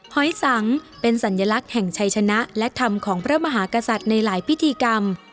หอยสังเป็นสัญลักษณ์แห่งชัยชนะและธรรมของพระมหากษัตริย์ในหลายพิธีกรรม